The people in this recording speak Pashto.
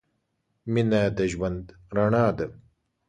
مینه د ژوند رڼا ده.